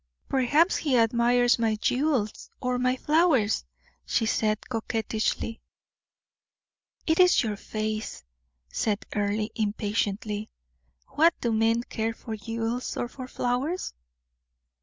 "Perhaps he admires my jewels or my flowers," she said, coquettishly. "It is your face," said Earle, impatiently. "What do men care for jewels or for flowers?"